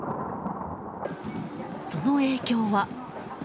その影響は。